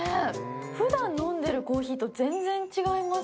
ふだん飲んでるコーヒーと全然違います。